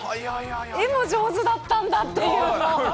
絵も上手だったんだっていう。